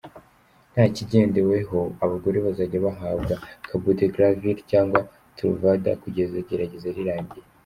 Nta kigendeweho abagore bazajya bahabwa cabotegravir cyangwa Truvada kugeza igerageza rirangiye.